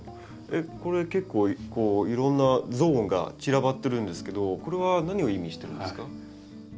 えっこれ結構いろんなゾーンが散らばってるんですけどこれは何を意味してるんですか？